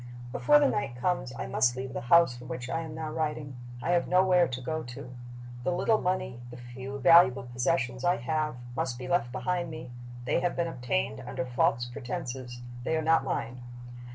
"Before the night comes I must leave the house from which I am now writing. I have nowhere to go to. The little money, the few valuable possessions I have, must be left behind me: they have been obtained under false pretenses; they are not mine.